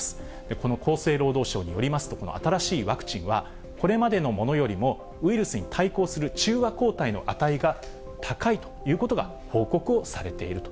この厚生労働省によりますと、この新しいワクチンはこれまでのものよりも、ウイルスに対抗する中和抗体の値が高いということが報告をされていると。